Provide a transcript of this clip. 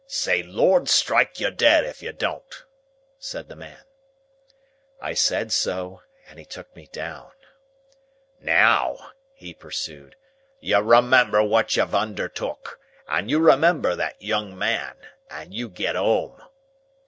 "Say Lord strike you dead if you don't!" said the man. I said so, and he took me down. "Now," he pursued, "you remember what you've undertook, and you remember that young man, and you get home!"